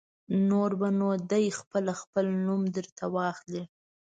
نور به نو دی خپله خپل نوم در ته واخلي.